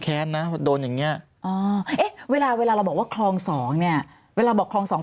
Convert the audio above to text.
แค้นนะโดนอย่างนี้เวลาเวลาเราบอกว่าคลองสองเนี่ยเวลาบอกคลองสอง